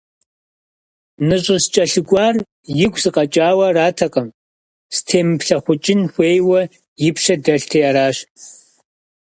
НыщӀыскӀэлъыкӀуар игу сыкъэкӀауэ аратэкъым, стемыплъэкъукӀын хуейуэ и пщэ дэлъти аращ.